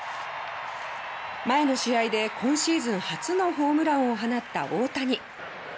前の試合で今シーズン初のホームランを放った大谷。